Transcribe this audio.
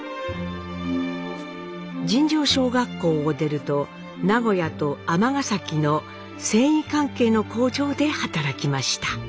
尋常小学校を出ると名古屋と尼崎の繊維関係の工場で働きました。